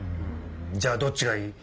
じゃあどっちがいい？